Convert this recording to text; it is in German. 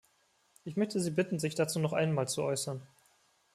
Ich möchte Sie bitten, sich dazu noch einmal zu äußern.